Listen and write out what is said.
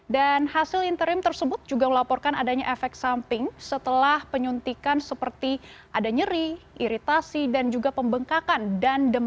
dan hasil interim tersebut juga melaporkan adanya efek samping setelah penyuntikan seperti ada nyeri iritasi dan juga pembengkakan dan demam